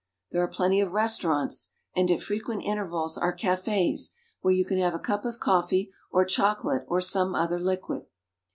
There are plenty of restaurants, and at frequent intervals 214 GERMANY. are caf^s where you can have a cup of coffee or chocolate or some other liquid.